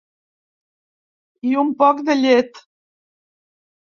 I un poc de llet.